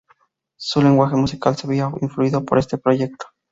Su lenguaje musical se vería influido por este proyecto.